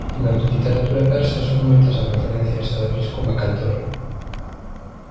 Na literatura persa son moitas as referencias a David como cantor.